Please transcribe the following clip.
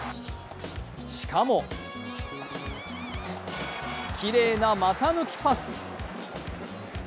しかも、きれいな股抜きパス。